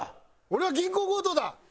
俺は銀行強盗だ。